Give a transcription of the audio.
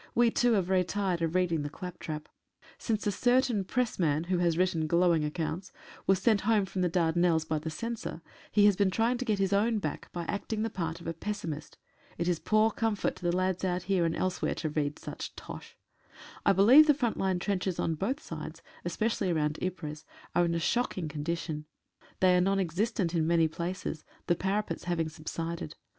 We, too, are very tired of reading the claptrap. Since a certain pressman (who had written glowing accounts) was sent home from the Dardanelles by the Censor he has been trying to get his own back by acting the part of a pessimist. Its poor comfort to the lads out here and elsewhere to read such "tosh." I believe the front line trenches on both sides, especially round Ypres, are in a shocking condition. They are non existent in many 156 CONDITIONS OF WAR. places — the parapets having subsided.